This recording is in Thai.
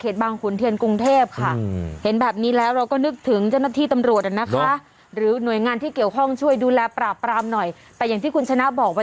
ถ้าบอกว่าตั้งแต่ต้นเรื่องของการตีกันก็ต้องย้อนกลับไปที่ครอบครัว